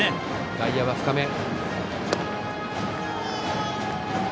外野は深め。